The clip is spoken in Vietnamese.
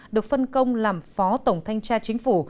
được phân công làm phó tổng thanh tra chính phủ